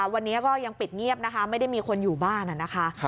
วันนี้ก็ยังปิดเงียบไม่ได้มีคนอยู่บ้าน